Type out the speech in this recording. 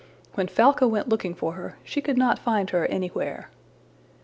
When Falca went looking for her, she could not find her anywhere.